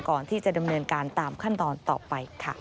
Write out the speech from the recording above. ก่อนที่จะดำเนินการตามขั้นตอนต่อไปค่ะ